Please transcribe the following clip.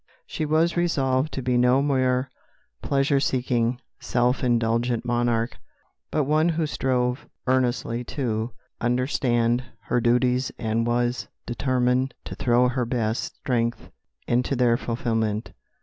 She was resolved to be no mere pleasure seeking, self indulgent monarch, but one who strove earnestly to understand her duties, and was determined to throw her best strength into their fulfilment.